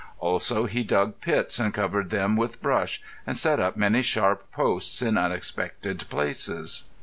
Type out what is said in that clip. Also, he dug pits and covered them with brush, and set up many sharp posts in unexpected places.